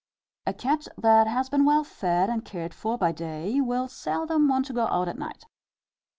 A cat that has been well fed and cared for by day, will seldom want to go out at night.